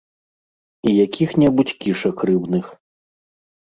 І якіх-небудзь кішак рыбных.